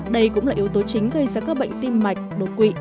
đây cũng là yếu tố chính gây ra các bệnh tim mạch đột quỵ